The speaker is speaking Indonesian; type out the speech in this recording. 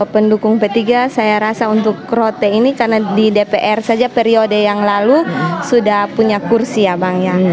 pendukung p tiga saya rasa untuk rote ini karena di dpr saja periode yang lalu sudah punya kursi ya abang ya